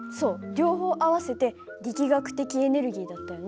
両方合わせて力学的エネルギーだったよね。